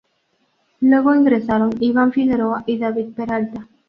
Luego ingresaron: Iván Figueroa y David Peralta.